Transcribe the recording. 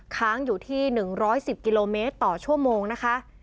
ค้างอยู่ที่๑๑๐กิโลเมตรต่อชั่วโมงนะคะ